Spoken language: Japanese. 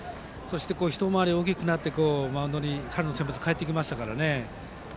そして一回り大きくなってマウンドに春センバツに帰ってきたので。